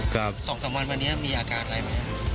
๒๓วันวันนี้มีอากาศอะไรไหม